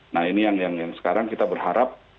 nah ini yang sekarang kita berharap